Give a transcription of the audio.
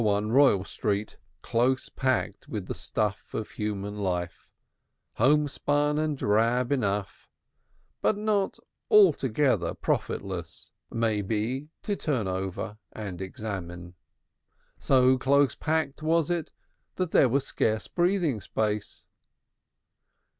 1 Royal Street close packed with the stuff of human life, homespun and drab enough, but not altogether profitless, may be, to turn over and examine. So close packed was it that there was scarce breathing space.